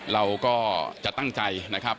เราก็จะตั้งใจนะครับ